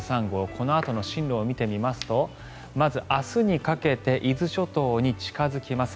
このあとの進路を見てみますとまず、明日にかけて伊豆諸島に近付きます。